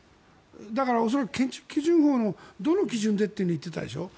だから、恐らく建築基準法のどの基準でと言っていたでしょう。